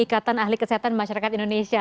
ikatan ahli kesehatan masyarakat indonesia